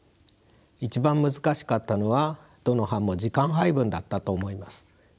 一番難しかったのはどの班も時間配分だったと思います。